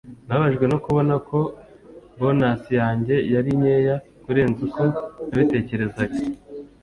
nababajwe no kubona ko bonus yanjye yari nkeya kurenza uko nabitekerezaga